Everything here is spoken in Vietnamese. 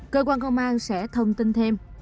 cơ quan công an sẽ thông tin thêm